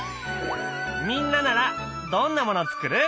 みんなならどんなもの作る？